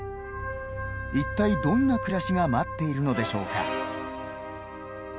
一体どんな暮らしが待っているのでしょうか。